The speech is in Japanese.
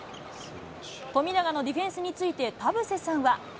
富永のディフェンスについて田臥さんは。